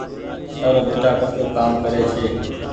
تآرو ٻيٽآ ڪسو ڪآم ڪري ڇي۔